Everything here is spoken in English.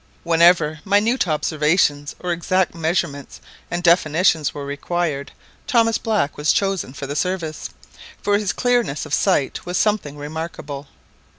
When ever minute observations or exact measurements and definitions were required, Thomas Black was chosen for the service; for his clearness of sight was something remarkable.